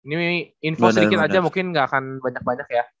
ini info sedikit aja mungkin nggak akan banyak banyak ya